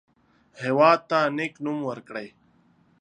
هېواد ته نیک نوم ورکړئ